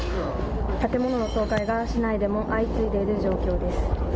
建物の倒壊が市内でも相次いでいる状況です。